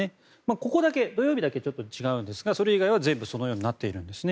ここだけ、土曜日だけ違うんですがそれ以外は全部そのようになっているんですね。